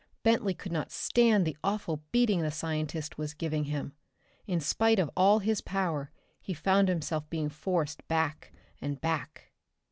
Bentley could not stand the awful beating the scientist was giving him. In spite of all his power he found himself being forced back and back.